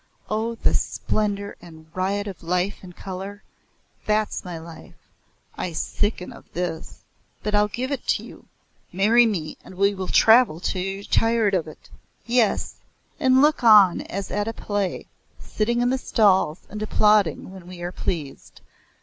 Oh, the splendour and riot of life and colour! That's my life I sicken of this." "But I'll give it to you. Marry me, and we will travel till you're tired of it." "Yes, and look on as at a play sitting in the stalls, and applauding when we are pleased.